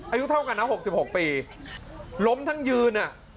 อายุเท่ากันนะ๖๖ปีล้มทั้งยืนอ่ะ